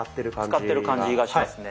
使ってる感じがしますね。